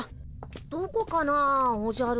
どこかなおじゃる。